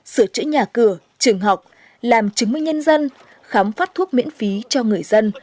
sửa chữa nhà cửa trường học làm chứng minh nhân dân khám phát thuốc miễn phí cho người dân